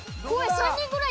３人ぐらいいた。